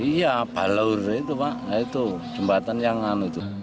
iya balur itu pak jembatan yang anu itu